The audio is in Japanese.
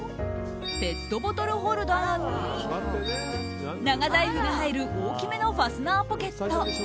ペットボトルホルダーに長財布が入る大きめのファスナーポケット。